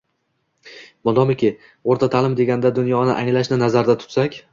Modomiki, «o‘rta ta’lim» deganda «dunyoni anglash»ni nazarda tutsak